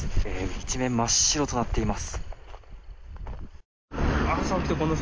一面真っ白となっています。